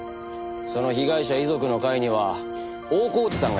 その被害者遺族の会には大河内さんがいただろ？